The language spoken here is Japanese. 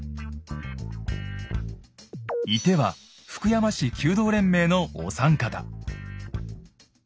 射手は福山市弓道連盟のお三方。